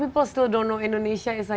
masih tidak tahu indonesia adalah